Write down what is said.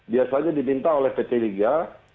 biasanya diminta oleh pt liga